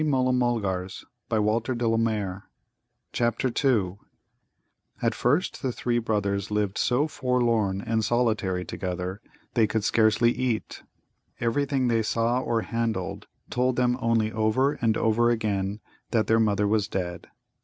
CHAPTER II At first the three brothers lived so forlorn and solitary together they could scarcely eat. Everything they saw or handled told them only over and over again that their mother was dead.